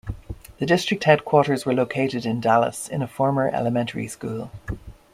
The district headquarters were located in Dallas, in a former elementary school.